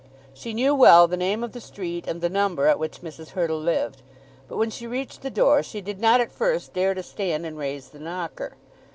She knew well the name of the street and the number at which Mrs. Hurtle lived. But when she reached the door she did not at first dare to stand and raise the knocker.